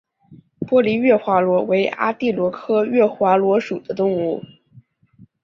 玻璃月华螺为阿地螺科月华螺属的动物。